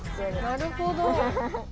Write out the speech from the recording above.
なるほど。